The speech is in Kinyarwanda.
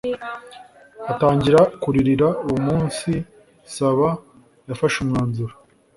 atangira kuririra uwo munsi saba yafashe umwanzuro